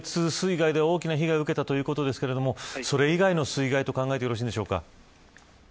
水害で大きな被害を受けたということですがそれ以来の水害と考えていいのでしょうか。